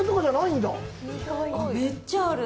めっちゃある。